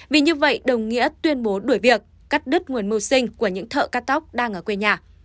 vì như vậy đồng nghĩa tuyên bố đuổi việc cắt đứt nguồn mưu sinh của những thợ cắt tóc đang ở quê nhà